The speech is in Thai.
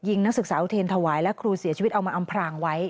นักศึกษาอุเทรนถวายและครูเสียชีวิตเอามาอำพรางไว้